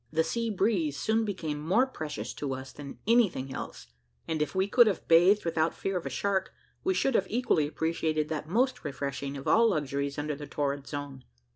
The sea breeze soon became more precious to us than anything else; and if we could have bathed without the fear of a shark, we should have equally appreciated that most refreshing of all luxuries under the torrid zone.